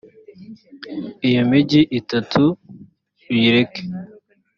iyo migi itatu uyireke